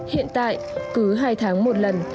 hiện tại cứ hai tháng một lần